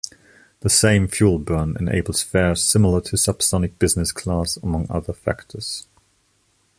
The same fuel burn enables fares similar to subsonic business class among other factors.